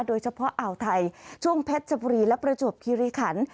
โดยเฉพาะอ่าวไทยช่วงเพชรจบรีและประจวบคิริขัน